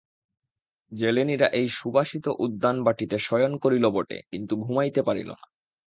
জেলেনীরা এই সুবাসিত উদ্যানবাটীতে শয়ন করিল বটে, কিন্তু ঘুমাইতে পারিল না।